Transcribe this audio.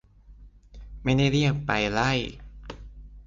ไม่ได้เรียกไปไล่